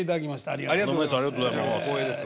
ありがとうございます。